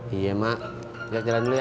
iya mak gak jalan dulu ya